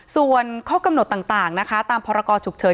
ส่วนข้อกำหนดต่างนะคะตามพรกรฉุกเฉิน